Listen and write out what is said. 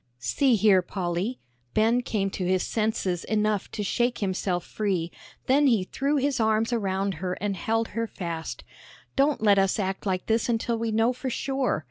"See here, Polly," Ben came to his senses enough to shake himself free, then he threw his arms around her and held her fast, "don't let us act like this until we know for sure.